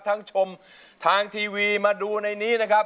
ชมทางทีวีมาดูในนี้นะครับ